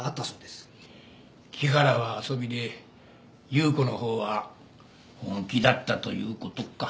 木原は遊びで優子のほうは本気だったという事か。